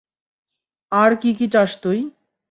আর কি কি চাস তুই?